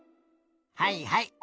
はいはい。